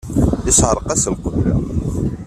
Yesseɛreq-as lqebla.